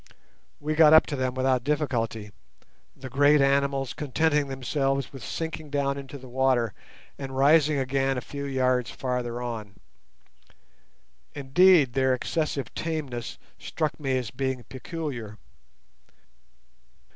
We got up to them without difficulty, the great animals contenting themselves with sinking down into the water and rising again a few yards farther on; indeed, their excessive tameness struck me as being peculiar.